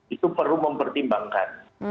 itu perlu mempertimbangkan